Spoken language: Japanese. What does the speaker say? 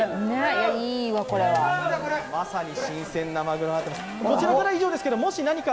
まさに新鮮なまぐろになってます。